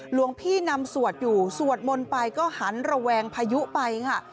หลวงพี่นำสวดอยู่สวดมนต์ไปก็หันระแวงพายุไปค่ะ